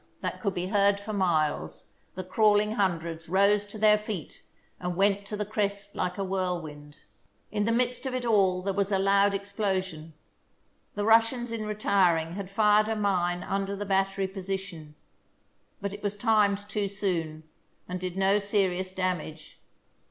that could be heard for miles the crawling hundreds rose to their feet and went to the crest like a whirlwind. In the midst of it all there was a loud explosion. The Russians in retiring had fired a mine under the battery position, but it was timed too soon and did no serious damage.